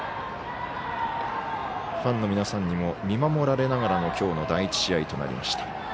ファンの皆さんに見守られながら今日の第１試合になりました。